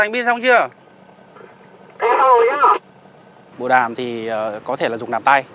bộ đàm thì có thể là dùng đàm tay